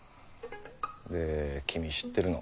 で君知ってるの？